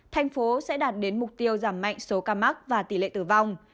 thành phố sẽ đạt đến mục tiêu giảm mạnh số ca mắc và tỷ lệ tử vong